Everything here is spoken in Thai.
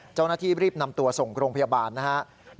เจ้าหน้าที่รีบนำตัวส่งโรงพยาบาลนะครับ